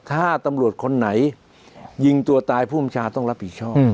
ถ้าตำรวจคนไหนยิงตัวตายผู้อำชาต้องรับผิดชอบ